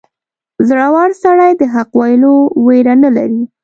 • زړور سړی د حق ویلو ویره نه لري.